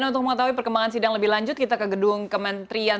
dan untuk mengetahui perkembangan sidang lebih lanjut kita ke gedung kementrian